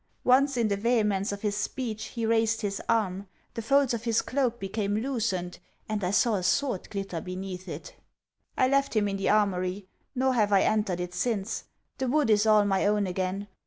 Once, in the vehemence of his speech, he raised his arm, the folds of his cloak became loosened, and I saw a sword glitter beneath it. I left him in the Armoury, nor have I entered it since. The wood is all my own again.